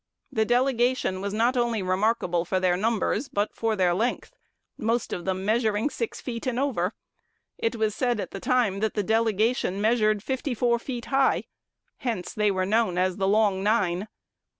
The delegation was not only remarkable for their numbers, but for their length, most of them measuring six feet and over. It was said at the time that that delegation measured fifty four feet high. Hence they were known as 'The Long Nine.'